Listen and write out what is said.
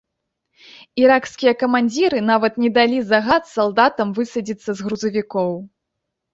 Іракскія камандзіры нават не далі загад салдатам высадзіцца з грузавікоў.